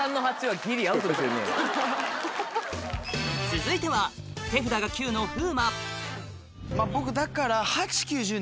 続いては手札が９の風磨僕だから。